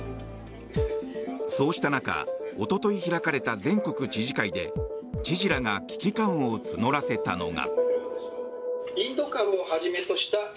そうした中おととい開かれた全国知事会で知事らが危機感を募らせたのが。